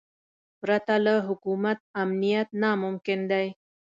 پرته له حکومت امنیت ناممکن دی.